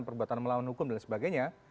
perbuatan melawan hukum dan sebagainya